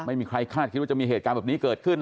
ไม่มีใครคาดคิดว่าจะมีเหตุการณ์แบบนี้เกิดขึ้น